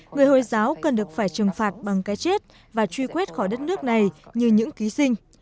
người hồi giáo cần được phải trừng phạt bằng cái chết và truy quét khỏi đất nước này như những ký sinh